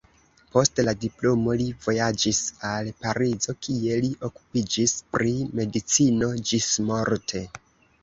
Post la diplomo li vojaĝis al Parizo, kie li okupiĝis pri medicino ĝismorte.